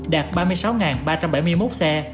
đạt ba mươi sáu ba trăm bảy mươi một xe